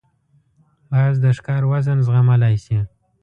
باز د ښکار وزن زغملای شي